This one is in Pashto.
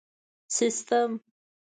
سیسټم